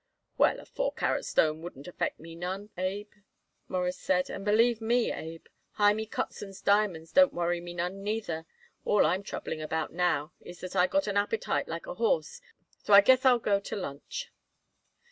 "Well, a four carat stone wouldn't affect me none, Abe," Morris said, "and believe me, Abe, Hymie Kotzen's diamonds don't worry me none, neither. All I'm troubling about now is that I got an appetite like a horse, so I guess I'll go to lunch."